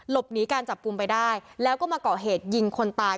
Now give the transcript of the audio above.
หลบหนีการจับกลุ่มไปได้แล้วก็มาเกาะเหตุยิงคนตาย